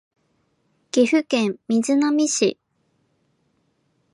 岐阜県瑞浪市